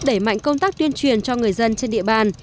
đẩy mạnh công tác tuyên truyền cho người dân trên địa bàn